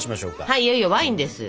はいいよいよワインです！